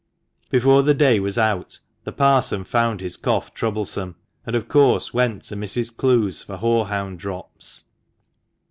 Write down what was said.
Before the day was out the parson found his cough troublesome, and, of course, went to Mrs. Clowes for horehound drops.